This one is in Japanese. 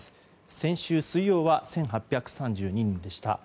先週水曜は１８３２人でした。